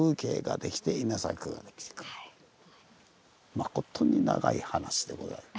まことに長い話でございます。